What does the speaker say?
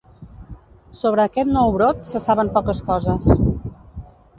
Sobre aquest nou brot se saben poques coses.